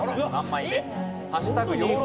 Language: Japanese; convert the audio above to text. ３枚目。